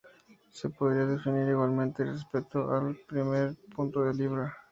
Se podría definir igualmente respecto al primer punto de Libra.